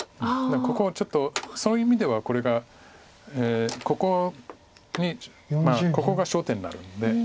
だからここはちょっとそういう意味ではこれがここにここが焦点になるんで。